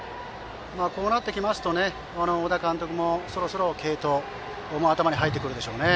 こうなってきますと小田監督もそろそろ継投が頭に入ってくるでしょうね。